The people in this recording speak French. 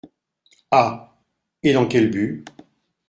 Ah ! et dans quel but ?